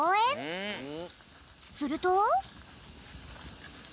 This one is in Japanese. すると？